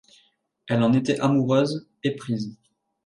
Elle en était amoureuse, éprise.